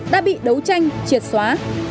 đã bị đấu tranh triệt xóa